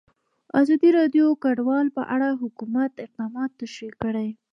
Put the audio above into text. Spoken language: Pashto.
ازادي راډیو د کډوال په اړه د حکومت اقدامات تشریح کړي.